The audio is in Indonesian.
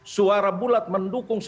suara bulat mendukung semua